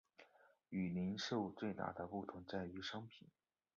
与零售最大的不同在于商品。